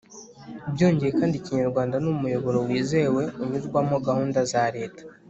byongeye kandi, ikinyarwanda ni umuyoboro wizewe unyuzwamo gahunda za leta: